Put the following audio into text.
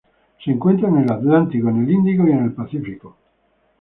Se encuentra en el Atlántico, en el Índico y en el Pacífico.